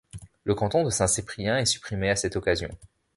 Le canton de Saint-Cyprien est supprimé à cette occasion.